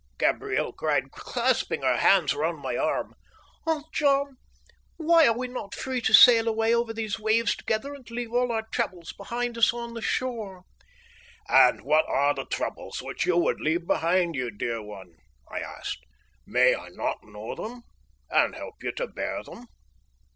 Gabriel cried, clasping her hands round my arm. "Ah, John, why are we not free to sail away over these waves together, and leave all our troubles behind us on the shore?" "And what are the troubles which you would leave behind you, dear one?" I asked. "May I not know them, and help you to bear them?"